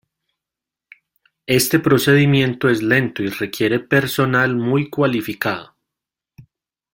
Este procedimiento es lento y requiere personal muy cualificado.